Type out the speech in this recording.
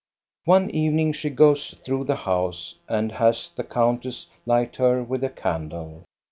One evening she goes through the house and has the countess light her with a candle.